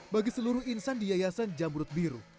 bagi seluruh insan di yayasan jamrut biru